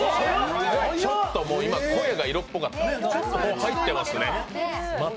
ちょっともう、声が色っぽかった、入ってますね。